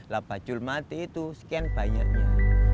lah bajulmati itu sekian banyaknya